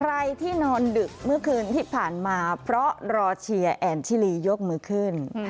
ใครที่นอนดึกเมื่อคืนที่ผ่านมาเพราะรอเชียร์แอนชิลียกมือขึ้น